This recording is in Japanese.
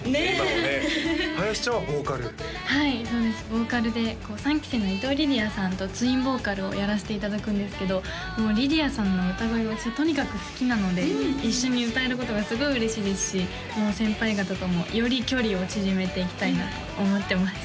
ボーカルで３期生の伊藤理々杏さんとツインボーカルをやらせていただくんですけどもう理々杏さんの歌声が私はとにかく好きなので一緒に歌えることがすごい嬉しいですし先輩方ともより距離を縮めていきたいなと思ってます